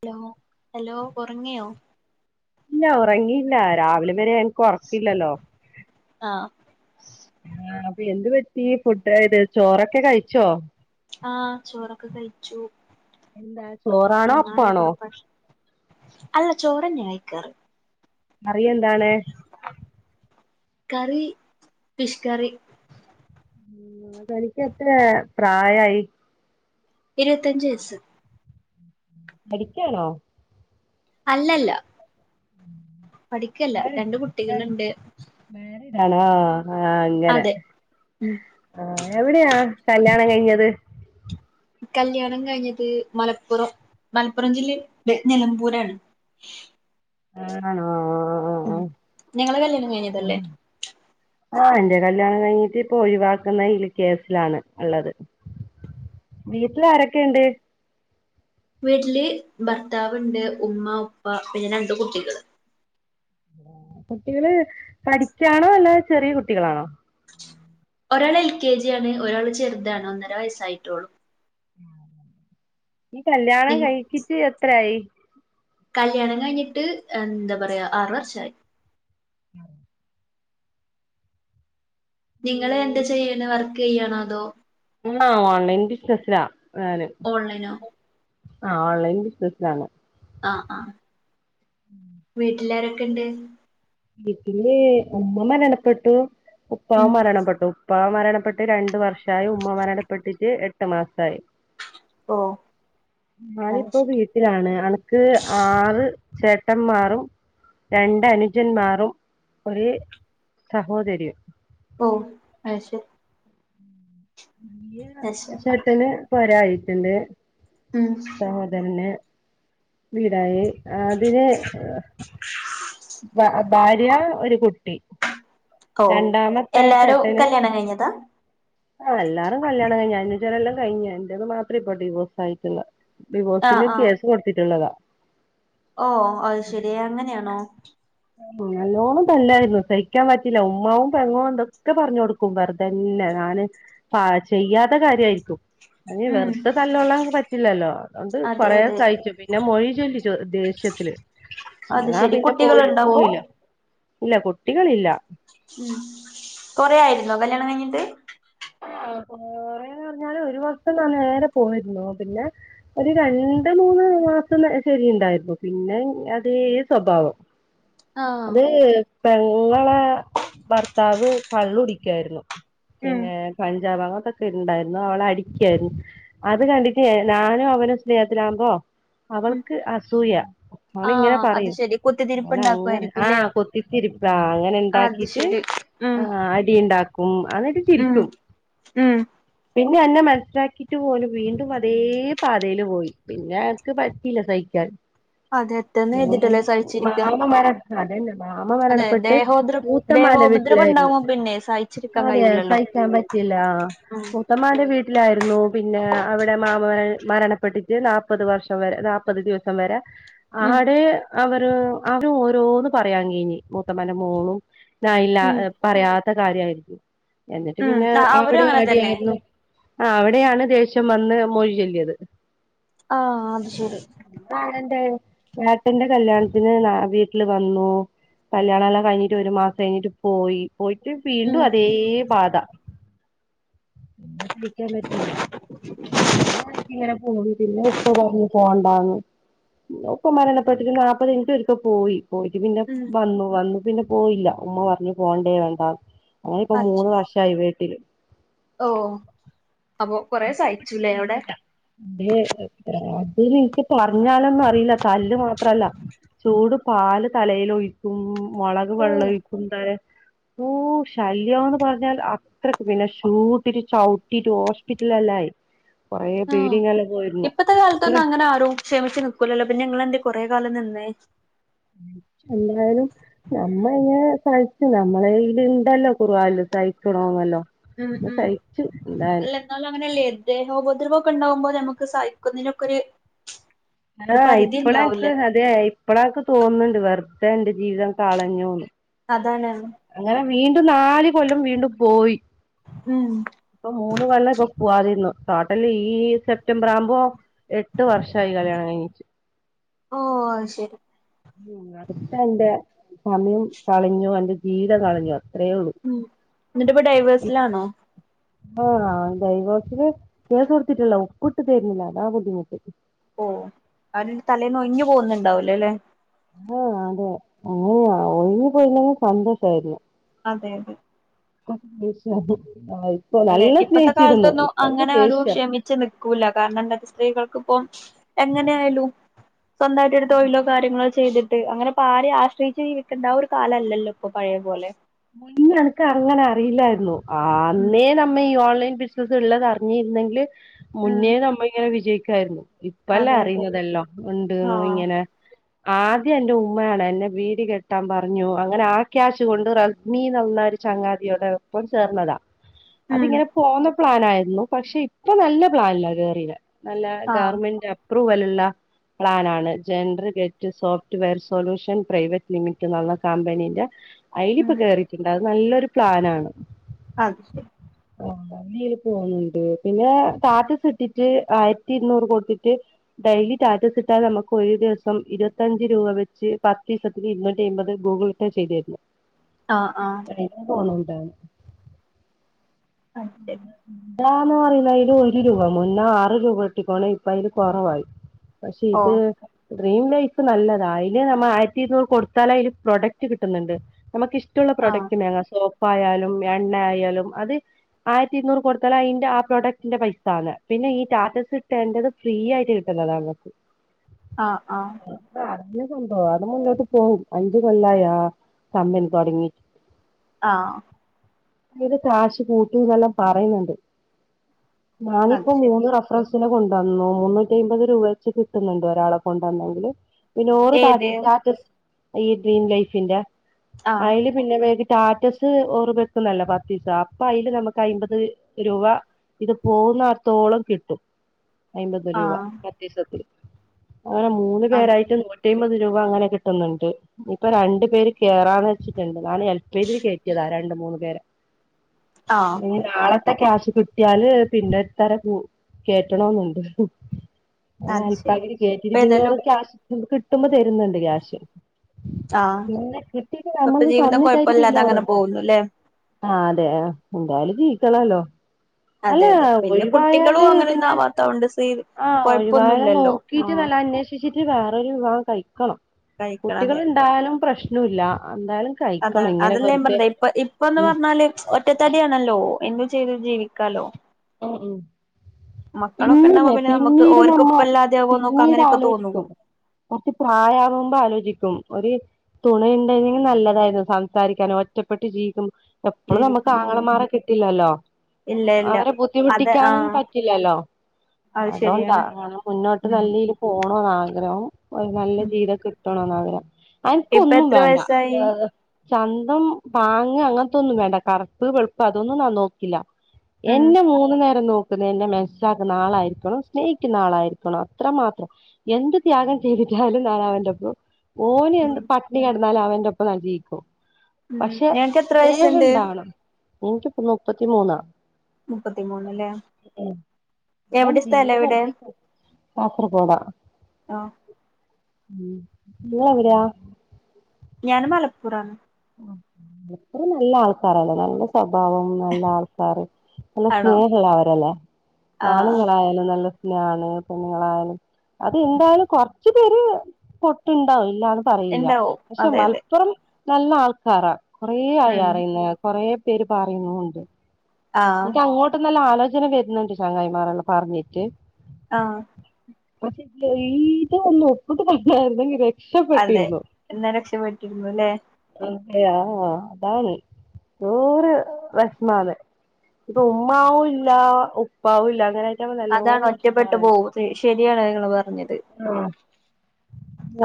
Hello ഹലോഉറങ്ങിയോ ഇല്ല ഉറങ്ങിയില്ല രാവിലെ വരെ എനിക്ക് ഉറക്കില്ലല്ലോ ആ ആ അപ്പൊ എന്ത് പറ്റി ഫുഡയത് ചോറൊക്കെ കഴിച്ചോ ആഹ് ചോറൊക്കെ കഴിച്ചു എന്താ ചോറാണോ ഉറങ്ങാനുള്ള അപ്പാണോ പുറപ്പാട് അല്ല ചോറ്ന്നെ കഴിക്കാറ് കറിഎന്താണ് കറി ഫിഷ് കറി ഉ തനികെത്രെ പ്രായായി ഇരുപത്തഞ്ചയസ്സ് പഠിക്കാണോ അല്ല അല്ല പഠിക്കല്ല രണ്ട് കുട്ടികൾ ണ്ട് ണ ആഹ് ആ അങ്ങനെ ഉം ആ എവിടെയാ കല്യാണം കഴിഞ്ഞത് കല്ല്യാണം കഴിഞ്ഞത് മലപ്പുറം മലപ്പുറം ജില്ലയിൽ നിലമ്പൂരാണ് ശ് ആണോ ഞങ്ങളെ കല്യാണം കഴിഞ്ഞതല്ലേ ആഹ എന്റെ കല്യാണം കഴിഞ്ഞിട്ട് ഇപ്പൊ ഒഴിവാക്കുന്നേൽ കേസിലാണ് ഉള്ളത് വീട്ടിൽ ആരൊക്കെയുണ്ട് വീട്ടില് ഭർത്താവുണ്ട് ഉമ്മ ഉപ്പ പിന്നെ രണ്ട് കുട്ടികള് കുട്ടികള് പഠിക്കാണോ അല്ല ചെറിയ കുട്ടികളാണോ ഒരാൾ എൽ കെ ജി ആണ് ഒരാള് ചെറുതാണ് ഒന്നര വയസ്സായിട്ടോളു ഈ കല്യാണം കഴിച്ചിട്ട് എത്രായി കല്ല്യാണം കഴിഞ്ഞിട്ട് ഏഹ് എന്താ പറയാ ആർ വർഷായി ആ നിങ്ങള് എന്താ ചെയ്യന് വർക്ക് ചെയ്യണോ അതോ ആ ഓൺലൈൻ ബിസിനസിലാ ഞാന് ഓൺലൈനോ ആ ഓൺലൈൻ ബിസിനസിലാണ് ആ ആ വീട്ടിലാരൊക്കെ ഇണ്ട് വീട്ടിൽ ഉമ്മ മരണപ്പെട്ടു ഉം ഉപ്പവും മരണപ്പെട്ടു ഉപ്പ മരണപ്പെട്ട് രണ്ടു വർഷമായി ഉമ്മ മരണപ്പെട്ടിട്ട് എട്ട് മാസായി ഓ അത് ഞാനിപ്പോ ശരി വീട്ടിലാണ് അനക്ക് ആറ് ചേട്ടന്മാറും രണ്ടനുന് ഞ്ജൻ ജൻമാറും ഒരേ സഹോദരിയും ഓ അ ശെരി ശരി പറ ചേട്ടന് പൊ രായിട്ടുണ്ട് ഉം തോതന്നെ വീടായി അതിനെ വാ ഭാര്യ ഒരു കുട്ടി ഓ രണ്ടാമത്തെ എല്ലാരും ചേട്ടന് കല്യാണം കഴിഞ്ഞതാ ആ ല്ലാരും കല്യാണം കഴിഞ ന്റെ തല്ലാം കഴിഞ്ഞ ന്റേത് മാത്രം ഇപ്പൊ ഡിവോഴ്സ് ആയിട്ടുള്ള ആഹ് ഡിവോഴ്സിന് ആഹ് കേസ് കൊടുത്തിട്ടുള്ളതാ ഓ അത് ശെരി അങ്ങനെയാണോ നല്ലോണം തല്ലായിരുന്നു സഹിക്കാൻ പറ്റില്ല ഉമ്മവും പെങ്ങവും എന്തൊക്കെ പറഞ്ഞഞ് കൊടുക്കും വെറുതന്നെ ഞാന് പ ചെയ്യാത്ത കാര്യയിരിക്കും അയിൻ ഉം വെറ്തെ തല്ലൊള്ളാ പറ്റില്ലല്ലോ അതോണ്ട് അതെ കൊറെേ അതെ സഹിച്ചു പിന്നെ മൊഴി ചൊല്ലിച്ചു ച്ചു ദേഷ്യത്തില് അത് ഞാ ശരി പിന്നെ പോയി കുട്ടികളുണ്ടോ അപ്പൊ പോയില്ല ഇല്ല കുട്ടികളില്ല ഉം കൊറ ആയിന്നോ കല്യാണം കഴിഞ്ഞിട്ട് ആ കൊറേന്ന് പറഞ്ഞാല് ഒരു വഷം താനേ നേരെ പോയിരുന്നു പിന്നെ ഒരു രണ്ട് മൂ മൂന്ന് മാസം ശരി ഉണ്ടായിരുന്നു പിന്നെ അതേ സ്വഭാവം ആഹ് അത് പെങ്ങളെ ഭർത്താവ് കള്ളു ടിക്കായിരുന്നു ഉം ഏ ക ഞ്ചാവാ അതൊക്കെ ണ്ടായിരുന്നു അവളെ അടിക്കായ്രുന്നു അത് കണ്ടിട്ട് ഞാനും അവനും സ്നേഹത്തിലാവകുമ്പോ ഉം അവൾക്ക് അസൂയ ഓളിങ്ങനെ ആഹ് അത് ശരി കുത്തിത്തിരിപ്പ് പറയുംഓൾ അങ്ങനെ ആ ഉണ്ടാക്കുവായിരിക്കുംല്ലേ കു ത്തിത്തിരിപ്പ അങ്ങനെ അത് ണ്ടാക്കീട്ട് ശരി ആ അടി ഇണ്ടാക്കും അങ്ങ്ട്ട് ചിരിക്കും മ്‌മ് പിന്നെ അന്നെ മനസ്സിലാക്കിട്ട് പോലും വീണ്ടും അതേ പാതേൽ പോയി പിന്നെ അനക്ക് പറ്റില്ല സഹിക്കാൻ അതെ എത്രന്ന് പിന്നെ എഴുതിട്ടല്ലേ സഹിച്ചിരിക്ക മാമാൻമാരെ അതന്നെ മാമ അതെ മരണപ്പെട്ട് ദേഹോദ്ര മൂത്തമാന്റെ ദേഹോപദ്രവം വീട്ടിലായിരുന്നു ഉണ്ടാവുമ്പോ പിന്നെ സഹിച്ചിരിക്കാൻ ആ ദിവസ കഴിയൂല്ലല്ലോ സഹിക്കാൻ പറ്റില്ല ആ ഉം മൂ ത്തമാന്റെ വീട്ടിലായിരുന്നു പിന്നെ അവിടെ മാമര് മരണപ്പെട്ടിട്ട് നാപ്പത് വർഷം വരെ നാപ്പപത് ദിവസം വരെ ഉം ആടെ അവര് അവര് ഓരോന്ന് പറയാങ്ങെങ്കീന മൂത്തമ്മന്റെ മോളുംഞാനില്ല ഉം പറയാത ത്തെ കാര്യമായിരിക്കും എന്നിട്ട് ഉം പിന്നെ അവരും അവിടെ അങ്ങനെ അവിടെ തന്നെ ആായിരുന്നു ആ അവിടെയാണ് ദേഷ്യം വന്ന് മൊഴിചെല്ലിയത് ആ അത് ശെരി ആങ്ങളെന്റെ ഏട്ടന്റെ കല്യാണത്തിന് ഞ വീട്ടില് വന്നു കല്യാണലല്ലാം കഴിഞീട്ടൊരു മാസം ഴിഞ്ഞിട്ട് പോയി പോയിട്ട് വീണ്ടും ഉം അതേ പാത ലാസ്റ്റ് സയ്ക്കാൻ പറ്റില്ല പിന്നെ അടക്കങ്ങണ പോന്നു പിന്നെ ഉപ്പ പർഞ്ഞു പോണ്ട മാങ്ങ് ഉപ്പ മരണപ്പട്ടിട്ട് നാല്പ്പത് കഴിഞ്ഞിട്ടൊരിക്കെ പോയി പോയിട്ട് പിന്നെ ഉം വന്നു വന്നു പിന്നെ പോയില്ല ഉമ്മ പറഞ്ഞു പോണ്ടേ വേണ്ട അങ്ങനെ ഇപ്പോ അത് മൂന്ന് വർഷമായി വീട്ടിലും ഓ അപ്പൊ കൊറെ സഹിച്ചുല്ലേ അവിടെ [unintelligible] തിൽ ൻക്ക് പ്പോ പറഞ്ഞാലൊന്നും അറിയില്ല തല്ല് മാത്രല്ല ചൂട് പാല് തലേലൊഴിക്കും മൊളക് ഓ വെള്ളൊയിക്കുംഊ ശല്യംന്ന് പറഞ്ഞാൽ അത്രയ്ക്ക് വിനശ് കൂട്ടിട്ട് ചവ്ട്ടീട്ട് ഹോസ്പിറ്റലല്ലായി ആ ഇപ്പത്തെ ഇത്ര കാലത്തൊന്നും അങ്ങനെ ആരും ക്ഷമിച് നിക്കൂലല്ലോ. പിന്നെ ങ്ങളെന്തെ കൊറെ കാലം നിന്നെ എല്ലാരും നമ്മ ഇങ്ങനെ സഹിച്ച് നമ്മളേൽ ഇണ്ടല്ലോ കുറുവായാലും സഹിക്കണോന്നല്ലോ മം പിന്നെ മം സഹിച്ചു അല്ല എന്തായാലും ന്നാലും അങ്ങനെല്ലേയിര് ദേഹോപദ്രവമ ഒക്കെ ണ്ടാകുമ്പോൾ നമുക്ക് സഹിക്കുന്നതിനൊക്കെ ഒരു ഒരു ആ പരിധി ഇപ്പള അനക്ക് ഉണ്ടാവൂല്ലേ അതെ ഇപ്പഴക്ക് തോന്നുന്നുണ്ട് വെറുതെ എന്റെ ജീവിതം കാളഞ്ഞു അതാണ് വീണ്ടും നാല് കൊല്ലം വീണ്ടും പോയി. ഉം ഇപ്പൊ മൂന്ന് കൊല്ല ഇപ്പൊ പോവാതിരുന്നു. ടോട്ടലി ഈ സെപ്റ്റംബർ ആവുമ്പോ എട്ട് വർഷമായി കല്യാണം കഴിഞ്ഞിട്ട്. ഓ അഹ് ശരി. അടുത്ത എന്റെ സമയം കളഞ്ഞു എന്റെ ജീവിതം കളഞ്ഞു. അത്രേ ഉള്ളൂ ഉം എന്നിട്ട്പ്പ ഡൈവേഴ്സിലാണോ. ആഹ് ഡൈവോസിന് കേസ കൊടുത്തിട്ടുള്ള ഉപ്പിട്ട് തരുന്നില്ല അതാ ബുദ്ധിമുട്ട്. ഓ അവനന്റെ തലേന്ന് ഒഴിഞ്ഞു പോകുന്നുണ്ടാവൂല ല്ലെ. ആഹ അതെ അങ്ങനെയ ഒഴിഞ്ഞ് പോയില്ലെങ്കിൽ സന്തോഷായിരുന്നു. അതെ അതെ [unintelligible] ഇപ്പൊ അല്ലെ നല്ല ഇപ്പത്തെ സ്നേഹിച്ചിരുന്നു കാലത്തൊന്നും ഇപ്പൾക്ക് അങ്ങനെആരു ദേഷ്യ ക്ഷമിച്ച് നിൽക്കൂല്ല, കാരണം എന്താച സ്ത്രീകൾക്കു അപ്പ എങ്ങനെ ആയാലും സ്വന്തമായിട്ടരു തൊഴിലോ കാര്യങ്ങളോ ചെയ്തിട്ട് അങ്ങനെയപാരെ ആശ്രയിച്ച് ജീവിക്കേണ്ട ഒരു കാലമല്ലല്ലോ ഇപ്പൊ പഴയ പോലെ മുന്നേ എനക്ക് അങ്ങനെ അറിയില്ലായിരുന്നു. ഉം അന്നേ നമ്മ ഈ ഓൺലൈൻ ബിസിനസ്സ് ഉള്ളത് അറിഞ്ഞിരുന്നെങ്കിൽ ഉം മുന്നേ നമ്മളിങ്ങനെ വിജയിക്കുആ യിരുന്നു. ഇപ്പല്ല അതെ അതെ അറിയുന്നതല്ലോ ഉണ്ട്ന്ന് ആഹ് ഇങ്ങനെ ആദ്യം എന്റെ ഉമ്മയാണ് എന്നെ വീട് കെട്ടാൻ പറഞ്ഞു അങ്ങനെ ആ ക്യാഷ് കൊണ്ട് റ മീ നന്ന ഒരു ചങ്ങാതിയോടെ ഒപ്പം ചേർന്നതാ. ഉം അതിങ്ങനെ പോന്ന പ്ലാനായിരുന്നു. പക്ഷെ ഇപ്പൊ നല്ല പ്ലാനിലാ കേറി നല്ല ആഹ് ഗവൺമെന്റ്അ അപ്രുവലുള്ള പ്ലാനാണ് gender get software solution private limit എന്ന കമ്പനീന്റെ അയിനി ഉം ഇപ്പൊ കേറിട്ടുണ്ട്, അത് നല്ലൊരു പ്ലാനാണ്. അത് ശരി. നല്ല രീതില് പോണുണ്ട്. പിന്നെ ടാറ്റസ് ഇട്ടിട്ട് ആയിരത്തി ഇരുന്നൂർ കൊട്തിട്ട് ഡെയിലി റ്റാ റ്റാറ്റസിറ്റാൽ നമുക്ക് ഒരു ദിവസം ഇരുപത്തഞ്ച് രൂപ വെച്ച് പതീസത്തിനു ഇര് ന്നൂറ്റിഅയ്മ്പത് ഗൂഗിൾ പേ ചെയ്തു ആഹ് ആഹ് [unintelligible] അതെ എന്താന്ന് പറയുന്ന അയ്ല് ഒരു രൂപ മുന്ന ആർ രൂപ ഇട്ടിക്കോണ ഇപ്പ അതില് കുറവായി. പക്ഷെ ഓ ഇത് ഡ്രീം ലൈഫ് നല്ലതാണ്. അതില് നമ്മൾ ആയിരത്തി ഇരുന്നൂറ് കൊടുത്താൽ അതില് പ്രൊഡക്റ്റ് കിട്ടുന്നുണ്ട്. നമുക്ക് ഇഷ്ട മറ്റുള്ള ആഹ് പ്രോഡക്റ്റ്ന്നേ സോപ്പായാലും എണ്ണ ആയാലും അത് ആയിരത്തി ഇുന്നൂറ് കൊടുത്താല അതിന്റെ ആ പ്രോഡക്ടിന്റെ പൈസ ആണ്. പിന്നെ ഈ ടാറ്റസ് ഇട്ടേന്റെ ഫ്രീ ആയിട്ട് കി ന്നതാണ്. ആ ആ അതല്ല സംഭവം അത് മുന്നോട്ട് പോകും അഞ്ച കൊള്ളായ തമ്മന് തുടങ്ങിട്ട് ആഹ അത് കാശ് കൂട്ടിന്നല്ലാം പറയുന്നുണ്ട് അത് ഞാനിപ്പോ ശരി മൂന്ന് റഫറൻസ് കൊണ്ടുവന്നു മു ന്നൂറ്റിമ്പത് രൂപ വെച്ച് കിട്ടുന്നുണ്ട് ഒരാളെ കൊണ്ടുവന്നെങ്കിൽ പിന്നെ ഓറ് താറ്റ ഏത് ടാറ്റസ് ഈ ഡ്രീം ലൈഫിന്റെ ആഹ് അതില് പിന്നെ വേ റ്റാറ്റസ് ഓർ വെക്കുന്നല്ല പതീസം അപ്പൊ അയ് നമുക്ക് അയ് മ്പത് രൂപ ഇത് പോുന്നത്തോളം കിട്ടും അയ്മ്പത് രൂപ ആഹ് പതീസത്തിൽ അങ്ങനെ മൂന്ന് അത് പേരായിട്ട് ശരി നൂറ്റയ് മ്പത് രൂപ അങ്ങനെ കിട്ടുന്നുണ്ട് ഇപ്പൊ രണ്ട് പേര് കേറാന്ന് വെച്ചിട്ടുണ്ട് ഞാന് എൽപൽ കേറ്റി ക്കിയതാ രണ്ട മൂന്ന് പേരെ [unintelligible] [inaudible] ഇനി നാളത്തേയ്ക്കാവശ്യ കിട്ടിയാല് പിന്നെ ഇത്താര കേട്ടണെന്നുണ്ട് അത് അൽപ്പ ശരി കേട്ടിട്ട് പിന്നെ ഇപ്പേതായാലും ക്യാഷ് കിട്ടുമ്പോ തരുന്നുണ്ട് ക്യാഷ് ആഹ് പിന്നെ കിട്ടീട്ട് ഇപ്പത്തെ നമ്മൾക്ക് ജീവിതം തന്നിട്ടായിട്ട് കുഴപ്പമില്ലാതെ പിന്നെ അങ്ങനെ ഓറെടുക്കും പോകുന്നുല്ലേ ആ അതെ എന്തായാലും ജീവിക്കണോല്ലോ അല്ല അതെ അതെ പിന്നെ കുട്ടികളും ഒഴിവായല് അങ്ങനെയൊന്നും പിന്നെ ആവാത്തോണ്ട് സീ ആഹ ഒഴിവാകാൻ കൊഴപ്പൊന്നുല്ലല്ലോ ആ നോക്കിട്ട് അന്വേഷിച്ചിട്ട് വേറൊരു വിവാഹം കഴിക്കണം കുട്ടികൾ കഴിക്കണതെ ഇണ്ടായാലും പ്രശ്നോല്ല അതാണ് അതെല്ലാ ഞാൻ പറഞ്ഞേ ഇപ്പൊ ഇപ്പ എന്ന് ഉം പറഞ്ഞാല് ഒറ്റ ഒറ്റതടിയണല്ലോ എന്തും ചെയ്തു ജീവിക്കാലോ ആഹ ഉ മക്കളൊക്കെ ഉണ്ടാവുമ്പോ പിന്നെ നമുക്ക് പിന്നീട് ഓര്ക്ക് നമ്മ ഉപ്പല്ലാതെയാവോ നോക്ക പിന്നീട് അങ്ങനെയൊക്കെ തോന്നും ആലോചിക്കും കുറച്ചു പ്രായവുമ്പോ ആലോചിക്കും ഒരു തുണയുണ്ടായിരുന്നെങ്കിൽ നല്ലതായിരുന്നു സംസാരിക്കാനും ഒറ്റപ്പെട്ട് ജീവിക്കും എപ്പഴും നമുക്ക് ജീവിക്കുമ്പോ ആങ്ങളമാറ കിട്ടില്ലല്ലോ ഇല്ല ഇല്ല അവരെ അതെ ആ ബദ്ധിമുട്ടിക്കാനും പറ്റില്ലല്ലോ അത് അതുകൊണ്ടാ ശരിയാണ് മുന്നോട്ട് ഉം നല്ലീല് പോണ ണോ ആഗ്രഹം ഒരു നല്ല ഉം ജീവിതം കിട്ടണോന്ന് ആഗ്രഹം എനക്ക് ഇപ്പ ഒന്നും എത്ര വേണ്ട വയസായി അതാ അത് ചന്തം പാങ് അങ്ങനത്തൊന്നും വേണ്ട കറുപ്പ് വെളുപ്പ് അതൊന്നും നാ നോക്കില്ല ഉം പിന്നെ മൂന്നു നേരം നോക്കി ന്നെ മനസ്സിലാക്കുന്ന ആളായിരിക്കണം സ്നേഹിക്കുന്ന ആളായിരിക്കണം അത്രമാത്രം എന്ത് ത്യാഗം ചെയ്തി എാലും ന അവന്റെ ഒപ്പ ഓന് ഉം എന്ത് പട്ടണി കിടന്നാലും അവന്റെ ഒപ്പ നൽീയിക്കും [unintelligible] ഉം പക്ഷെ നിനക്ക് എത്ര വയസ്സുണ്ട് അഹണ്ട [unintelligible] എനിക്കിപ്പോ മുപ്പത്തിമൂന്നാ മുപ്പത്തി മൂന്നില്ലേ ഞാൻ ജീത വറുതേ കാസർപോടാ ആ [unintelligible] ഉ നിങ്ങളെവിടെയാ ഞാന് മലപ്പുറന്ന് അത്ര നല്ല ആൾക്കാരല്ലോ നല്ല സ്വഭാവം നല്ല ആൾക്കാര് നല്ല ആണോ സ്നേഹള്ള അവരല്ലേ ആഹ് ആണുങ്ങളായാലും നല്ല പിന്നാണ് പെണുങ്ങളായാലും അത് എന്തായാലും കൊറച്ചു പേര് പൊട്ടുണ്ടാവും ഇല്ലന്ന് പറയല്ല ഇണ്ടാവും പക്ഷെ അതെ അതെ മലപ്പുറം നല്ല ആൾക്കാരാ കൊറെ ആയി ഉം അറിയുന്ന കൊറെ പേര് പറയുന്നുണ്ട് ആഹ് എനിക്ക് അങ്ങോട്ട്ന്നല്ലാം ആലോച ജന വരുന്നുണ്ട് ചങ്ങായിമാർല്ലാം പറഞ്ഞിട്ട് ആഹ മറ്റെ ഇ ഇത് ഒന്ന് ഒപ്പട്ട് പ ഇുന്നങ് ഇര [unintelligible] അതെ എന്നാ രക്ഷപട്ടിരുന്നു അല്ലേ അയാ അതാണ് നൂറ് വിഷമാന്ന് ഇപ്പ ഉമ്മാവും ഇല്ല ഉപ്പാവും ഇല്ല അങ്ങനെ അതാണ് ഒറ്റപ്പെട്ട് പോക ശരിയാണ് നിങ്ങൾ പറഞ്ഞത് ആഹ്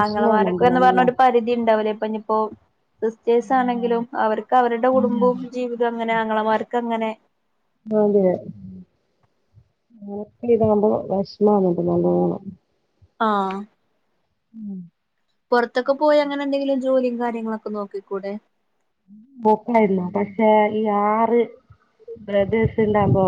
ആങ്ങളമാരൊക്കെ എന്ന് പറഞ്ഞ ഒരു പരിധി ഉണ്ടാവുലേ യിപ്പോ സിസ്റ്റേഴ്സ് ആണെങ്കിലും അവർക്ക് അവരുടെ അതെ അതെ കുടുംബവും ജീവിതവും അങ്ങനെ ആങ്ങളമാർ അങ്ങനെ അതെ ഇതാവുമ്പോ വിഷമാവുന്നുണ്ട് നല്ലവോണം ആഹ് ഉം പുറത്തൊക്കെ പോയി അങ്ങനെ എന്തെങ്കിലും ജോലിയും കാര്യങ്ങളൊക്കെ നോക്കിക്കൂടെ പോക്കുണ്ടായിരുന്നു പക്ഷേ ആറ് ബ്രദേഴ്സ് ഉണ്ടാകുമ്പോ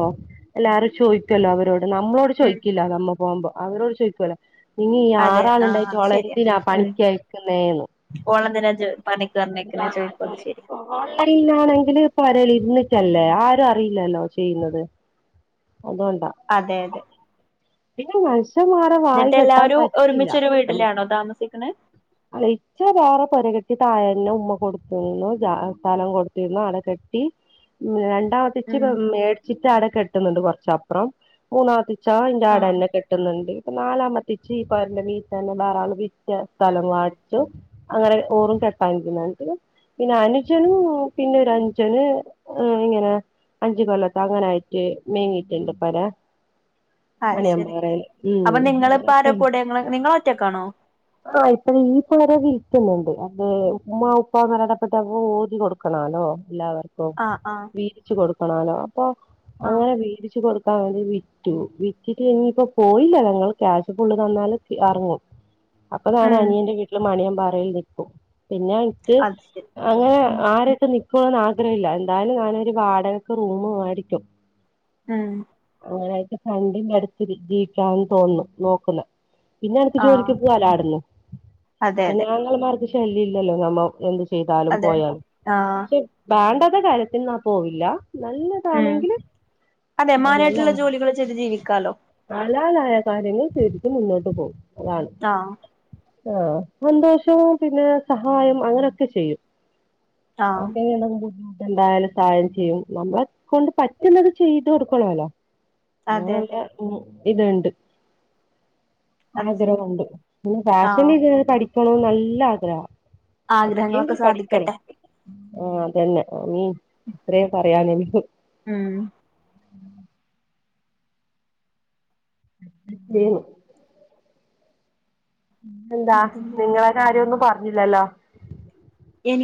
എല്ലാരും ചോദിക്കുല്ലോ അവരോട് നമ്മളോട് ഉം ചോദിക്കില്ല നമ്മൾ പോകുമ്പോ അവരോട് ചോദിക്കുവല്ല നി ഈ അതെ ആഹ് ആറാൾണ്ടായിട്ട് അത് അവളെ എന്തിനാ പണിക്കയക്കുന്നേന്ന് ഓളെ ന്തിനാ പണിക്ക് പറഞ്ഞയക്കുന്നേ ചോദിക്കോത് ശരി ഓൺലൈനാണെങ്കില് പൊരൽ ഇരുന്നിട്ടല്ലേ ആരും അറിയില്ലല്ലോ ചെയ്യുന്നത് അതുകൊണ്ടാ അതെ അതെ പിന്നെ മനഷമാരെ വായി എന്നിട്ട് കെട്ടാൻ എല്ലാവരും പറ്റില്ല ഒരുമിച്ചൊരു നമ്മു വീട്ടിലാണോ താമസിക്കണെ ഇച്ച വേറെ പുരകെട്ടി താഴ തന്നെ ഉമ്മ കൊടുത്തിന്നു സ്ഥലം കൊടുത്തിരുന്നു അള കെ രണ്ടാമത്തെേച്ച് ഉം മേടിച്ചിട്ട് അട കെട്ടുന്നുണ്ട് കുറച്ചപ്പുറം മൂന്നാമത്തെ ചച്ച അന്റെ ആട ആഹ് തന്നെ കെട്ടുന്നുണ്ട് ഇപ്പൊ നാലാമത്തെേച്ച് ഇപ്പ അവന്റെ വീട്ട തന്നെ ധാരാള് വിറ്റ സ്ഥലം വാടോ അങ്ങനെ ഓറും കെട്ടാൻരിക്കുന്നട്ട് പിന്നെ അനുജനും പിന്നെ അഞ്ചന് ഏ ഇങ്ങനെ അഞ്ച് കൊല്ലത്ത് അങ്ങനായിട്ട് മേങ്ങിട്ടുണ്ട് പെര അത് ശരി മണിയമ്പറല്ല ഉം അപ്പൊ നിങ്ങളിപ്പോ ആരാ അങ്ങാനോക്കെ കൂടെ നിങ്ങള് നിങ്ങള് ഒറ്റക്കാണോ ഇപ്പഴ ഈ പോര വിൽക്കുന്നുണ്ട് അതെ ഉമ്മ ഉപ്പ എല്ല മരണപ്പെട്ട ഓരി കൊടുക്കണല്ലോ എല്ലാവർക്കും ആഹ് ആഹ് വീതിച്ചു കൊടുക്കണാലോ അപ്പൊ ആഹ് അങ്ങനെ വീതിച്ച് കൊടുക്ക വിറ്റു വിറ്റിട്ട് ഇനിയിപ്പോ പോയില്ല ഞങ്ങൾ ക്യാശ് ഫുള്ള് തന്നാല് എറങ്ങും ഉ [inaudible] അപ്പൊ ഞാന അനിയന്റെ വീട്ടില് മണിയമ്പപാറയിൽ നിക്കും പിന്നെ ൻക്ക് അത് ശരി അങ്ങനെ ഉം ആരൊക്കെ നി ന്ന് ആഗ്രഹമല്ല എന്താലും ഞാനൊരു വാടകൊക്കെ റൂമ് മേടിക്കും ഉം അങ്ങനായിട്ട് ഫണ്ടി എടുത്തി ജീവിക്കാന്ന് തോന്നും നോക്കുന്ന പിന്നെ അടുക്ക് ആഹ് ജോലിക്ക് പോകാലോ അവിടു അതെ പിന്നെ അതെ ആങ്ങളമാർക്ക് ശല്യ ഇല്ലല്ലോ നമ്മ എ ചെയ്താലും അതെ പോയാലും ആഹ് പക്ഷെ വേണ്ടാത്ത കാര്യത്തിന് പോവില്ല ഉം നല്ലതാണെങ്കിൽ അതെ ആ മാനായിട്ടുള്ള ജോലികള് ചെയ്ത് ജീവിക്കാലോ ഹലാലായ കാര്യങ്ങൾ ശെരിക്കും മുന്നോട്ട് പോകും ആ ആ സന്തോഷവും പിന്നെ സഹായം അങ്ങനെയൊക്കെ ചെയ്യും ആഹ് ആപ്പണ [unintelligible] എന്തായാലും സഹായം ചെയ്യും നമ്മളെ കൊണ്ട് പറ്റുന്നത് ചെയ്ത് കൊടുക്കണല്ലോ. അതെ അതെ ഓന്ന ഇത്ണ്ട് അത് ശരി ആഗ്രഹമുണ്ട് പിന്നെ ഫാഷൻ ആഹ് ഡിസൈനിംഗ് പഠിക്കണന്ന് നല്ല ആഗ്രഹ ആഗ്രഹങ്ങളൊക്കെ സാധിക്കട്ടെ ആ അതന്നെ മീ അത്രയും പറയാാനുള്ളു ഉം ന [unintelligible] എന്താ എന്തെങ്കിലൊക്കെ നിങ്ങളെ കാര്യന്നു പറഞ്ഞില്ലല്ലോ എനി